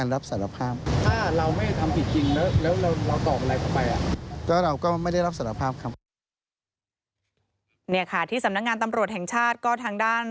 แต่ไม่ได้เป็นการบังคับ